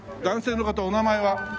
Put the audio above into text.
男性の方お名前は？